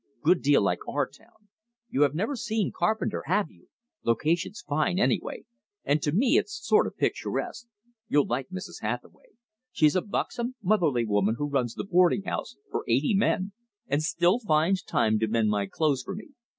Good deal like our town. You have never seen Carpenter, have you? Location's fine, anyway; and to me it's sort of picturesque. You'll like Mrs. Hathaway. She's a buxom, motherly woman who runs the boarding house for eighty men, and still finds time to mend my clothes for me.